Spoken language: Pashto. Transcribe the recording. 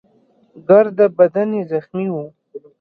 ګرده بدن يې زخمي وو.